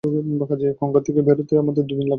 কাজেই গঙ্গা থেকে বেরুতে আমাদের দুদিন লাগল।